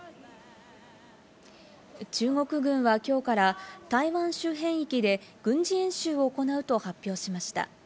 中国軍は今日から台湾周辺域で軍事演習を行うと発表しました。